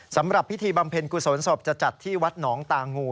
สำหรับพิธีบำเพ็ญกุศลศพจะจัดที่วัดหนองตางู